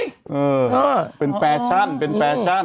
เออเป็นแฟชั่นเป็นแฟชั่น